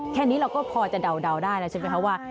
แค่นี้เราก็พอจะเดาได้แล้วใช่ไหมคะว่า